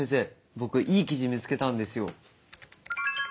僕いい記事見つけたんですよ。